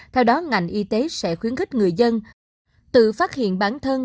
theo đó ngành y tế sẽ khuyến khích người dân tự phát hiện bản thân